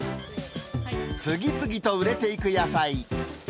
次々と売れていく野菜。